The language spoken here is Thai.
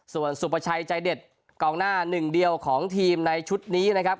ส่วนสุประชัยใจเด็ดกองหน้าหนึ่งเดียวของทีมในชุดนี้นะครับ